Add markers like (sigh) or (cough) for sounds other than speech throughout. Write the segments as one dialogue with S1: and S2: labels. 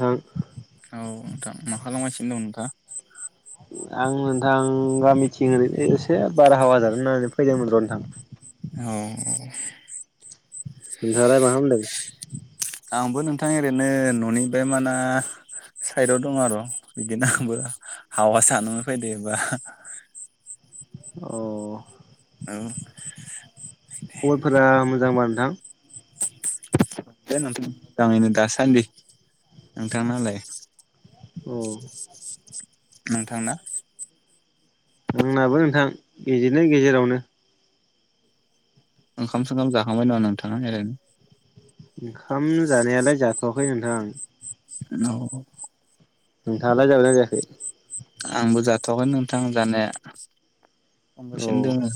S1: नोंथां
S2: औ नोंथां मा खालामगासिनो दं नोंथाङा?
S1: आं नोंथां गामिथिं ऐरैनो एसे बारहावा जानो होननानै फैदोंमोन र' नोंथां।
S2: औ।
S1: नोंथाङालाय मा खामदो?
S2: आंबो नोंथां ओरैनो न'निफ्राय माना साइदाव दं आरो बिदिनो आंबो हावा जानो फैदोबा।
S1: औ।
S2: ओं।
S1: खबरफोरा मोजांबा नोंथां।
S2: (unintelligible) दासान्दि नोंथांनालाय?
S1: औ।
S2: नोंथांना?
S1: आंनाबो नोंथां इदिनो गेजेरावनो।
S2: ओंखाम सोंखाम जाखांबाय नामा नोंथां एरैनो?
S1: ओंखाम जानायालाय जाथ'वाखै नोंथां।
S2: औ।
S1: नोंथाङालाय जादोंबाय ना जायाखै?
S2: आंबो जाथ'वाखै नोंथां जानाया।
S1: औ
S2: थांगासिनो दोङो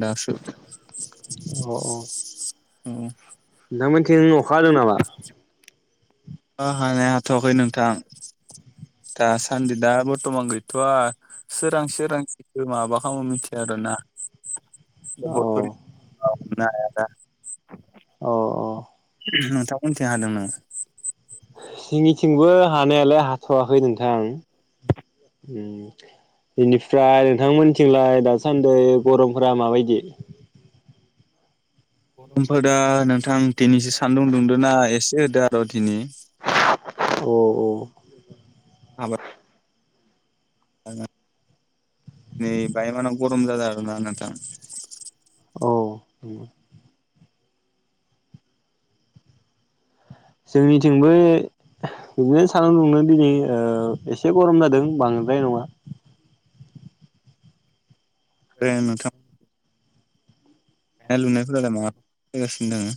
S2: दासो (inaudible) उम।
S1: नोंथां मोननिथिं अखा हादों नामा?
S2: अखा हानाया हाथ'वाखै नोंथां। दासान्दि दा बरथ'मान गैथ'वा सोरांसि सोरांसि माबा खामो मिथिया। रो ना।
S1: (inaudible)
S2: (unintelligible)
S1: औ औ।
S2: (unintelligible) नोंथांमोननिथि हादों नो।
S1: जोंनिथिंबो हानायालाय हाथ'वाखै नोंथां। उम बेनिफ्राय नोंथांमोनथिंलाय दासान्दै गरमफोरा माबायदि?
S2: (unintelligible) दा नोंथां दिनैसो सान्दुं दुंदो ना एसे दा दिनि।
S1: (unintelligible) औ औ।
S2: आबा (unintelligible) नै बायमानाव गरम जादों आरोना नोंथां।
S1: औ उम। जोंनिथिंबो बिदिनो सानदुं दुंदों दिनै ओ एसे गरम जादों बांद्राय नङा।
S2: ए नोंथां। (unintelligible) फैगासिनो दों।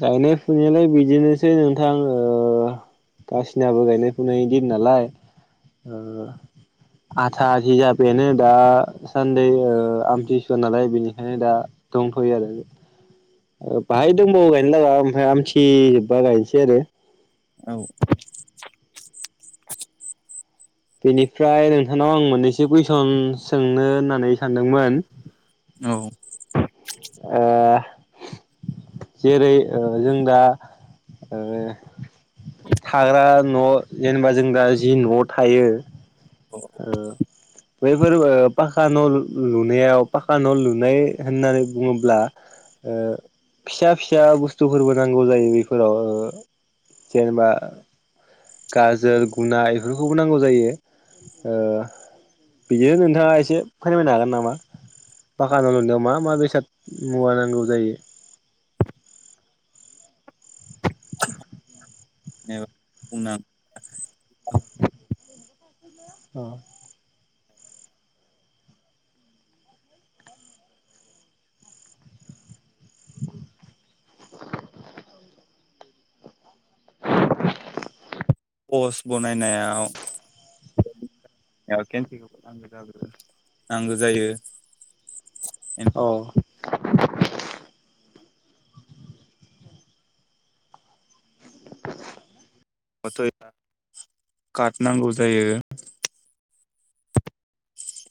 S1: गायनाय फुनायालाय बिदिनोसै नोंथां ओ आसिनाबो गायनाय फुनाय दिन नालाय ओ आथा आथि जाबायानो दा सान्दै ओ आमथिसुवा नालाय बेनिखायनो दा दंथ'यो आरो। ओ बाहाय दंबावो गायनो लागा ओमफाय आमथि बायबा गायनोसै आरो।
S2: औ (inaudible)
S1: बेनिफ्राय नोंथांनाव आं मोननैसो कुइसन सोंनो होननानै सानदोंमोन।
S2: औ।
S1: ओ जेरै ओ जों दा ओ थाग्रा न' जेनेबा जों दा जि न'आव थायो ओ बैफोरबो पाखा न' लु लुनायाव पाखा न' लुनाय होननानै बुङोब्ला ओ फिसा फिसा बुस्थुफोरबो नांगौ जायो बैफोराव ओ जेनेबा गाजोल गुना इफोरखौबो नांगौ जायो। ओ बिदिनो नोंथाङा एसे फोरमायनो हागोन नामा? पाखा न' लुनायाव मा मा बेसाद मुवा नांगौ जायो?
S2: औ बुंना (inaudible)
S1: अ। (inaudible)
S2: पस्ट बनायनायाव एयाव केन्थिखौबो नांगो जाग्रो नांगो जायो।
S1: औ (inaudible)
S2: (unintelligible) काट नांगौ जायो।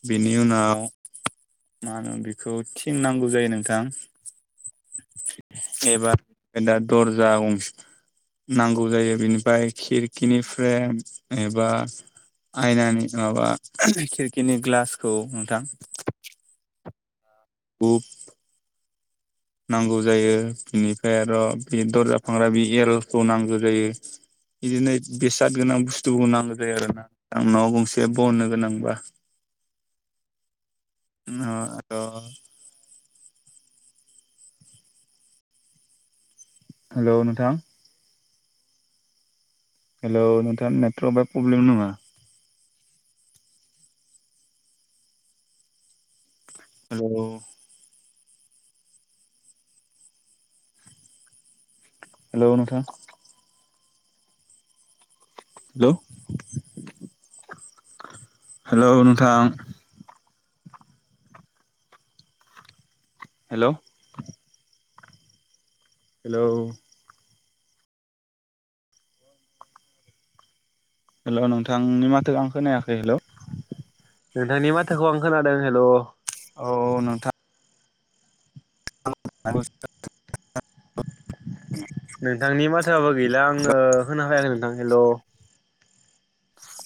S2: बेनि उनाव मा होनो बिखौ थिं नांगौ जायो नोंथां। एबार दा दर्जा गंस नांगौ जायो बिनिफाय खिरखिनि फ्रेम एबा आयनानि माबा (unintelligible) खिरखिनि ग्लासखौ नोंथां। हुब। नांगौ जायो बिनिफ्राय आर' बि दरजा फांग्रा बि एलखौ नांगौ जायो। बिदिनो बेसाद गोनां बुस्थुफोरखौ नांगौ जायो आरो ना आं न' गंसे बननो गोनांबा
S1: (inaudible)
S2: (unintelligible) हेलौ नोंथां। हेल' नोंथां नेट्रबा पब्लेम नामा? हेलौ हेलौ नोंथां। हेलौ हेलौ नोंथां। हेलौ हेलौ हेलौ' नोंथां नि माथो आं खोनायाखै, हेलौ
S1: नोंथांनि माथोखौ आं खोनादों हेलौ।
S2: औ औ नोंथां (inaudible)
S1: नोंथांनि माथोआबो गैला आङो खोनाफैयाखै नोंथां हेलौ।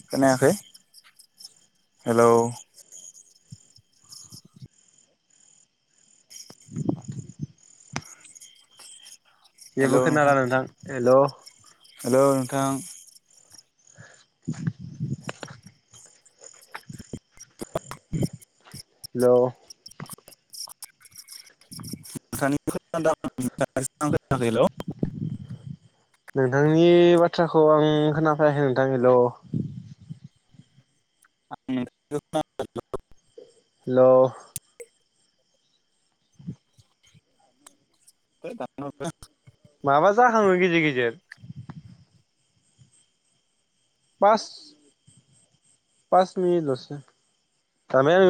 S2: खोनायाखै हेलौ।
S1: (inaudible) जेबो
S2: हेलौ नोंथां
S1: खोनाला हेल'
S2: हेलौ नोंथां।
S1: (inaudible) हेलौ
S2: (unintelligible) (unintelligible) हेलौ
S1: नि बाथ्राखौ आं खोनाफायाखै नोंथां हेलौ
S2: आं (unintelligible)
S1: हेलौ
S2: है दानना हरबाय आं।
S1: माबा जाखाङो गेजेर गेजेर बास पास मिनिट लसै (unintelligible)